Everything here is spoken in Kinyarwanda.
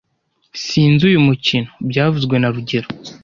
Sinzi uyu mukino byavuzwe na rugero